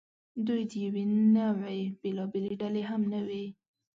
دوی د یوې نوعې بېلابېلې ډلې هم نه وې.